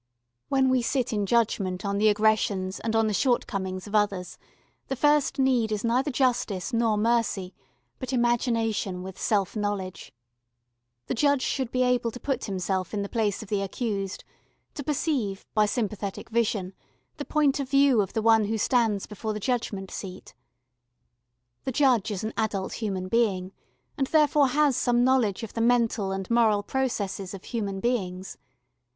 When we sit in judgment on the aggressions and on the shortcomings of others the first need is neither justice nor mercy, but imagination with self knowledge. The judge should be able to put himself in the place of the accused, to perceive, by sympathetic vision, the point of view of the one who stands before the judgment seat. The judge is an adult human being, and therefore has some knowledge of the mental and moral processes of human beings.